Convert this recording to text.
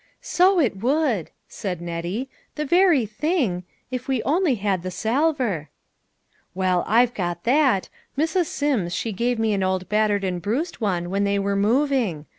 " So it would," said Nettie, " the very thing, if we only had the salver." " Well, I've got that. Mrs. Sims, she gave me an old battered and bruised one, when they were moving.